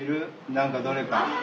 何かどれか。